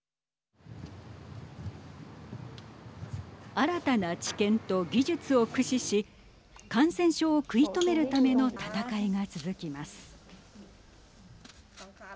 新たな知見と技術を駆使し感染症を食い止めるための戦いが続きます。